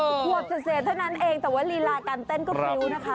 ขวบเศษเท่านั้นเองแต่ว่าลีลาการเต้นก็พริ้วนะคะ